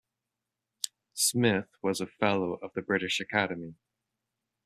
Smith was a fellow of the British Academy.